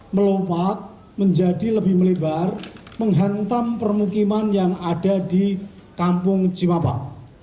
melompat menjadi lebih melebar menghantam permukiman yang ada di kampung cimapak